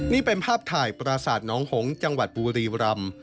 นี่เป็นภาพถ่ายปราสาทน้องหงษ์จังหวัดบุรีรำ